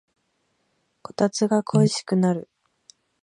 こたつが恋しくなる